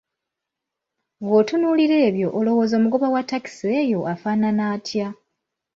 Bw'otunuulira ebyo olowooza omugoba wa takisi eyo afaanana atya?